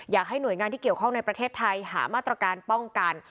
อยากให้หน่วยงานที่เกี่ยวข้องในประเทศไทยหามาตรการป้องกัน